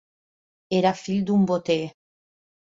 Era fill d'un boter.